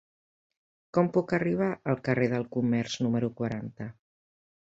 Com puc arribar al carrer del Comerç número quaranta?